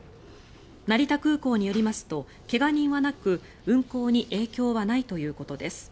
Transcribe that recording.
成田空港によりますと怪我人はなく運航に影響はないということです。